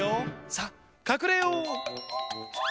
さあかくれよう！